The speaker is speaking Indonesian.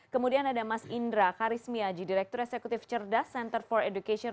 kemudian ada mas indra karismiaji direktur eksekutif cerdas center for education